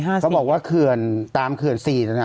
น้ำถ้วงเหมือนปี๕๔